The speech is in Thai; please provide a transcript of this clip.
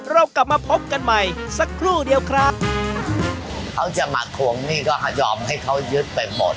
เรากลับมาพบกันใหม่สักครู่เดียวครับเขาจะมาทวงหนี้ก็ยอมให้เขายึดไปหมด